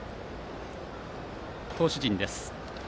投手陣です。